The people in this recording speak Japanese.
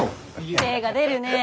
精が出るねえ。